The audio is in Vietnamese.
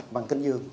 văn kính dương